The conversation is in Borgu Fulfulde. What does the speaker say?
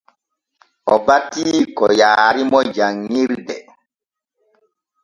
O bati ko yaarimo janŋirde.